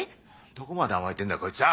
どこまで甘えてんだよこいつは！